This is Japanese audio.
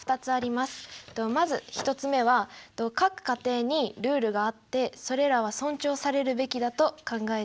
まず１つ目は各家庭にルールがあってそれらは尊重されるべきだと考えているからです。